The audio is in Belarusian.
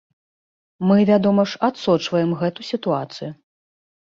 Мы, вядома ж, адсочваем гэту сітуацыю.